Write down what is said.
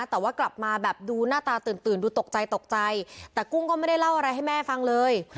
แต่ว่ากลับมาแบบดูหน้าตาตื่นดูตกใจตกใจแต่กุ้งก็ไม่ได้เล่าอะไรให้แม่ฟังเลย